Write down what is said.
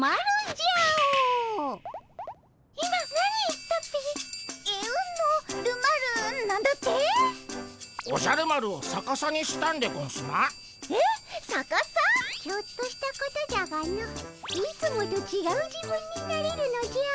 ちょっとしたことじゃがのいつもとちがう自分になれるのじゃ。